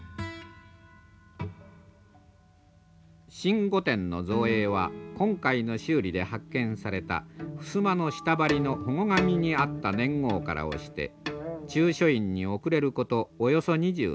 新御殿の造営は今回の修理で発見された襖の下張りのほご紙にあった年号から推して中書院に遅れることおよそ２０年寛文の初めと推定されます。